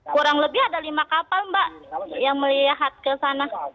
kurang lebih ada lima kapal mbak yang melihat ke sana